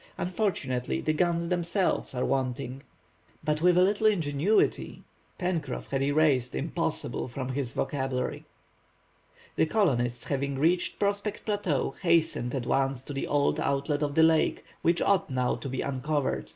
Unfortunately, the guns themselves are wanting." "But with a little ingenuity!—" Pencroff had erased "impossible" from his vocabulary. The colonists having reached Prospect Plateau, hastened at once to the old outlet of the lake, which ought now to be uncovered.